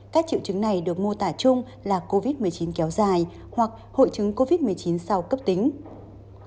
các triệu chứng này được mô tả chung là covid một mươi chín kéo dài hoặc hội chứng covid một mươi chín sau cấp tính